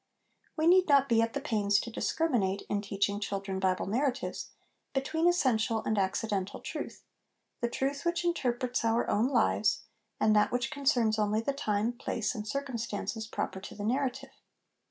We need not be at the pains to discriminate, in LESSONS AS INSTRUMENTS OF EDUCATION 251 teaching children Bible narratives, between essential and accidental truth the truth which interprets our own lives, and that which concerns only the time, place, and circumstances proper to the narrative.